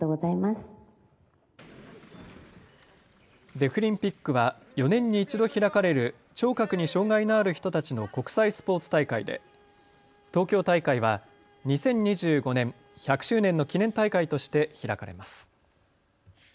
デフリンピックは４年に一度開かれる聴覚に障害のある人たちの国際スポーツ大会で東京大会は２０２５年１００周年の記念大会として開かれます。